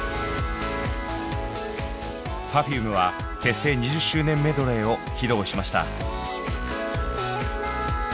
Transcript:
Ｐｅｒｆｕｍｅは結成２０周年メドレーを披露しました。